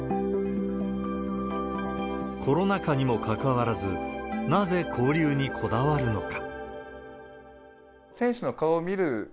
コロナ禍にもかかわらず、なぜ交流にこだわるのか。